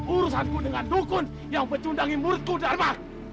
urusan ku dengan dukun yang mencundangi murid kodama